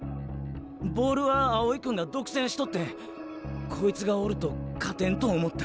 ボールは青井君が独占しとってこいつがおると勝てんと思った。